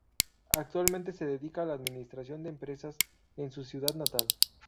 Actualmente se dedica a la administración de empresas en su ciudad natal.